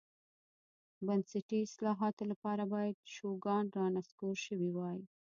بنسټي اصلاحاتو لپاره باید شوګان رانسکور شوی وای.